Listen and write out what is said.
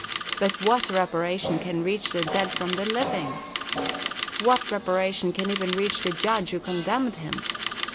But what reparation can reach the dead from the living ? What reparation can even reach the judge who condemned him